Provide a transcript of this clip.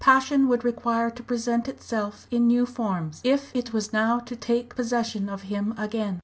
Passion would require to present itself in new forms, if it was now to take possession of him again.